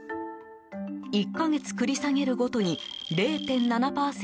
１か月繰り下げるごとに０．７％